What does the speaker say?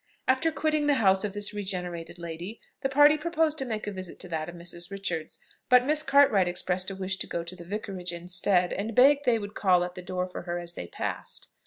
After quitting the house of this regenerated lady, the party proposed to make a visit to that of Mrs. Richards; but Miss Cartwright expressed a wish to go to the Vicarage instead, and begged they would call at the door for her as they passed.